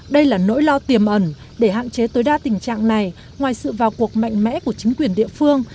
đây là nỗi lo tiềm ẩn để hạn chế tối đa tình trạng này ngoài sự vào cuộc mạnh mẽ của chính quyền địa phương